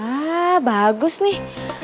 wah bagus nih